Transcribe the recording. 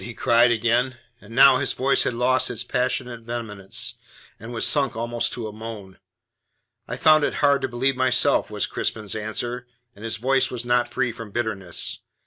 he cried again; and now his voice had lost its passionate vehemence, and was sunk almost to a moan. "I found it hard to believe myself," was Crispin's answer, and his voice was not free from bitterness.